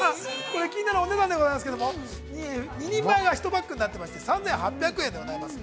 ◆これ気になるお値段でございますけども２人前が１パックになってまして３８００円でございます。